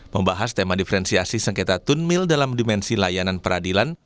membahas tema diferensiasi sengketa tun mill dalam dimensi layanan peradilan